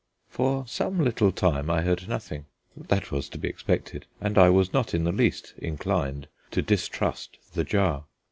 For some little time I heard nothing. That was to be expected, and I was not in the least inclined to distrust the jar.